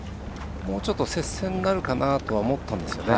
もうちょっと接戦になるかなと思ったんですけどね。